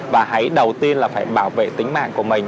và hãy đầu tiên là phải bảo vệ tính mạng của mình